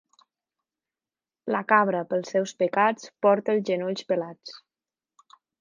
La cabra, pels seus pecats, porta els genolls pelats.